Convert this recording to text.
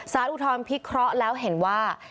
อุทธรณพิเคราะห์แล้วเห็นว่า